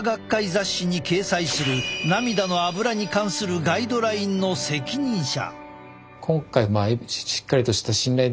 雑誌に掲載する涙のアブラに関するガイドラインの責任者。